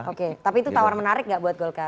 oke tapi itu tawaran menarik gak buat golkar